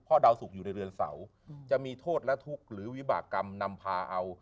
เพราะดาวสุกอยู่ในเรือนเสาจะมีโทษและทุกข์หรือวิบากรรมนำพาเอา